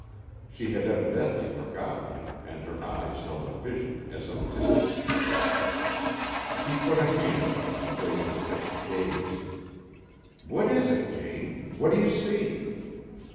She had evidently forgotten him and her eyes held a vision as of distances. He put a hand up to break her fixed gaze. "What is it, Jane? What do you see?"